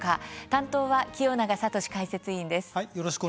担当は清永聡解説委員です。